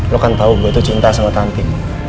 lo kan tau gua tuh cinta sama tanti